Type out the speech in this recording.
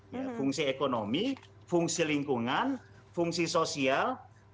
ya fungsi ekonomi fungsi lingkungan fungsi sosial